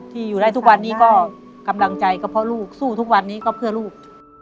อยู่ได้ทุกวันนี้ก็กำลังใจก็เพราะลูกสู้ทุกวันนี้ก็เพื่อลูก